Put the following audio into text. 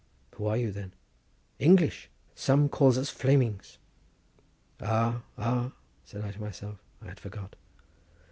"Who are you then?" "English; some call us Flamings." "Ah, ah!" said I to myself, "I had forgot."